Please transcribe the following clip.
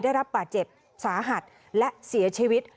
ได้รับบาดเจ็บสาหัสและเสียชีวิต